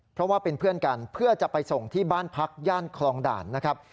เพราะว่าเป็นเพื่อนกันเพื่อจะไปส่งที่บ้านพักย่านคลองด่านนะครับ